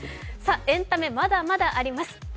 エンタメ、まだまだあります